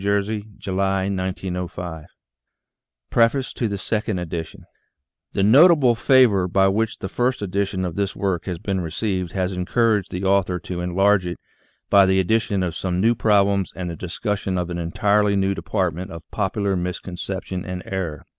J.,July, PREFACE TO SECOND EDITION THE notable favor with which the first edition of this work has been received has encouraged the author to en large it by the addition of some new problems and the discussion of an entirely new department of popular mis conception and error.